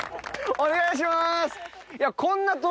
お願いします。